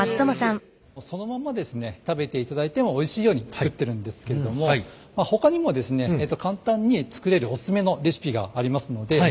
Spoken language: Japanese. そのまんまですね食べていただいてもおいしいように作ってるんですけれどもほかにもですね簡単に作れるオススメのレシピがありますので。